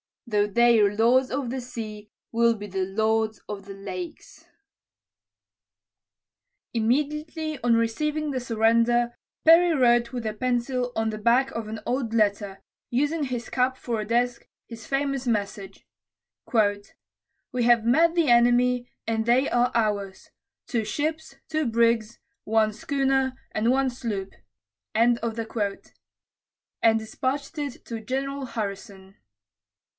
Though they're lords of the sea, we'll be lords of the lakes." Immediately on receiving the surrender, Perry wrote with a pencil on the back of an old letter, using his cap for a desk, his famous message, "We have met the enemy and they are ours two ships, two brigs, one schooner, and one sloop," and dispatched it to General Harrison.